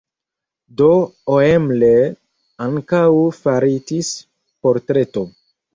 De Oemler ankaŭ faritis portreto.